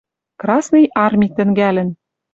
Красный Арми тӹнгӓлӹн.